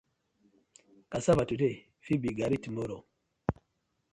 Cassava today fit be Garri tomorrow.